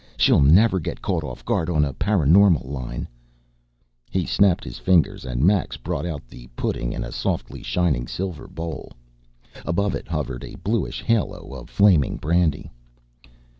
She'll never get caught off guard on a paraNormal line." He snapped his fingers and Max brought out the pudding in a softly shining silver bowl. Above it hovered a bluish halo of flaming brandy.